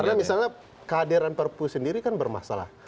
karena misalnya kehadiran perpu sendiri kan bermasalah